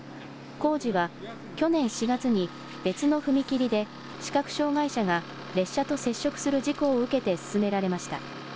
工事は去年４月に別の踏切で視覚障害者が列車と接触する事故を受けて進められました。